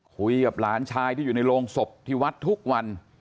คุยกับหลานชายที่อยู่ในโรงศพที่วัดทุกวัน